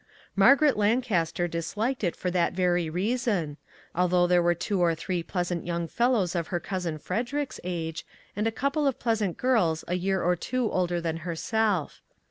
Margaret Lancaster disliked it for that very reason, although there were two or three pleasant young fellows of her Cousin Frederick's age, and a couple of pleas ant girls a year or two older than herself.